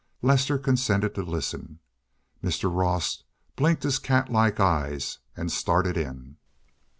Lester consented to listen, and Mr. Ross blinked his cat like eyes and started in.